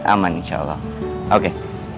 aman insya allah oke